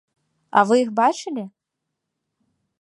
А вы іх бачылі?